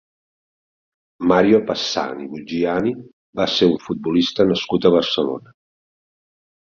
Mario Passani Buggiani va ser un futbolista nascut a Barcelona.